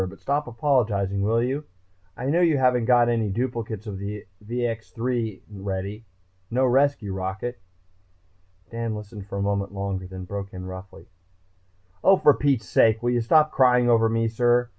But stop apologizing, will you? I know you haven't got any duplicates of the VX 3 ready, no rescue rocket...." Dan listened a moment longer then broke in roughly. "Oh, for Pete's sake, will you stop crying over me, sir?